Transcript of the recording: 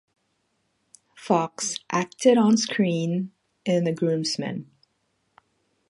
Fox acted on screen in "The Groomsmen".